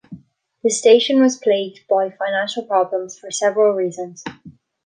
The station was plagued by financial problems for several reasons.